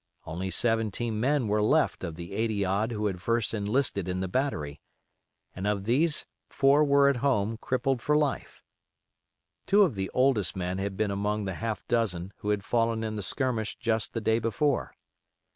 Only seventeen men were left of the eighty odd who had first enlisted in the battery, and of these four were at home crippled for life. Two of the oldest men had been among the half dozen who had fallen in the skirmish just the day before.